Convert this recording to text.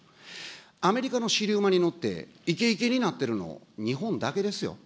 アメリカの尻馬に乗っていけいけになっているの、日本だけですよ。